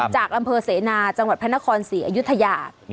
จากอำเภอเสนาจังหวัดพระนครศรีอยุธยา